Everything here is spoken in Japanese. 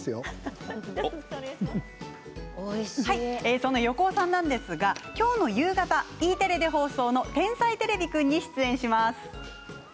その横尾さんなんですが今日の夕方、Ｅテレで放送の「天才てれびくん」に出演します。